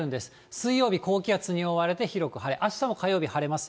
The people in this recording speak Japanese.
水曜日、高気圧に覆われて広く晴れ、あしたも火曜日晴れます。